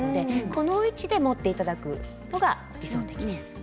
この位置で持っていただくことが理想的です。